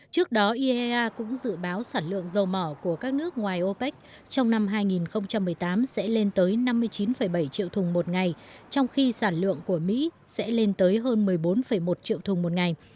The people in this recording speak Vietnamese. trước đó iea cũng dự báo sản lượng dầu mỏ của các nước ngoài opec trong năm hai nghìn một mươi tám sẽ lên tới năm mươi chín bảy triệu thùng một ngày trong khi sản lượng của mỹ sẽ lên tới hơn một mươi bốn một triệu thùng một ngày